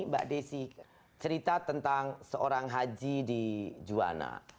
mbak desi cerita tentang seorang haji di juwana